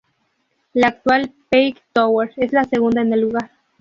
La actual Peak Tower es la segunda en el lugar.